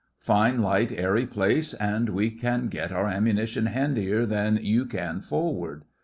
'Fine, light airy place, and we can get our ammunition handier than you can forward.